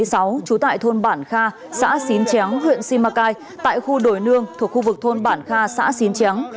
trú tại thôn bản kha xã xín chéo huyện simacai tại khu đồi nương thuộc khu vực thôn bản kha xã xín tráng